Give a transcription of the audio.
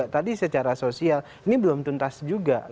tadi secara sosial ini belum tuntas juga